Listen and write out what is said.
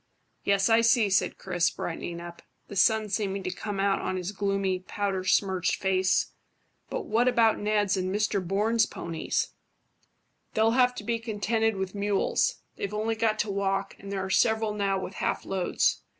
"Yes, I see," said Chris, brightening up, the sun seeming to come out on his gloomy, powder smirched face. "But what about Ned's and Mr Bourne's ponies?" "They'll have to be contented with mules. They've only got to walk, and there are several now with half loads.